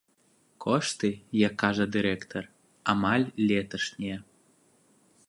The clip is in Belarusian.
Кошты, як кажа дырэктар, амаль леташнія.